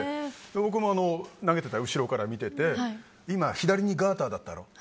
僕も投げてたら後ろから見てて左にガーターだったろ。